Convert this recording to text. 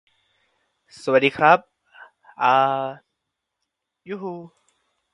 This is the last time Millwall played in the fourth tier.